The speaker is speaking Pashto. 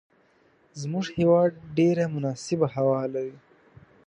زموږ هیواد ډیره مناسبه هوا لری